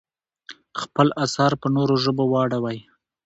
خپل اثار په نورو ژبو واړوئ.